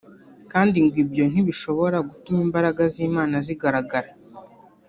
kandi ngo ibyo ntibishobora gutuma imbaraga z’Imana zigaragara